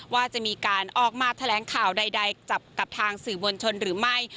ว่าจะมีการออกมาแถลงข่าวใดกับทางสื่อมวลชนหรือไม่